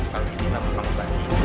kalau kita mau mengambil banding